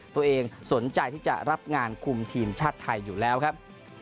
ตัวเองสนใจที่จะรับงานคุมทีมชาติไทยอยู่แล้วครับ